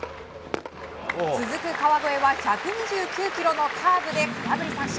続く川越は１２９キロのカーブで空振り三振。